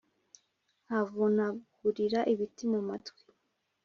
nkavunagurira ibiti mu matwi